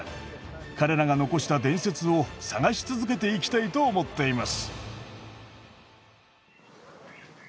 彼らが残した伝説を探し続けていきたいと思っています。